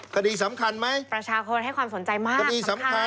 คดีสำคัญไหมคดีสำคัญประชาคนให้ความสนใจมาก